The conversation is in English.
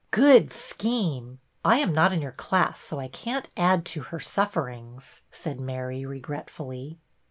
" Good scheme ! I am not in your class so I can't add to her sufferings," said Mary, regretfully.